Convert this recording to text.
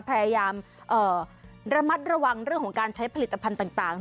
พยายามระมัดระวังเรื่องของการใช้ผลิตภัณฑ์ต่าง